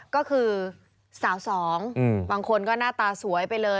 ก็คือสาวสองบางคนก็หน้าตาสวยไปเลย